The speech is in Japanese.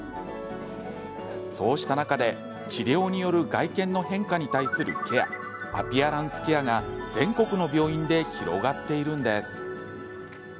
そうした中で、治療による外見の変化に対するケアアピアランスケアが全国の病院で広がっているんです。